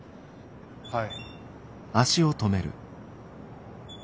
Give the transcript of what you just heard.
はい。